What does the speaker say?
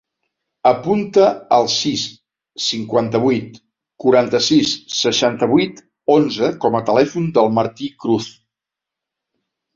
Apunta el sis, cinquanta-vuit, quaranta-sis, seixanta-vuit, onze com a telèfon del Martí Cruz.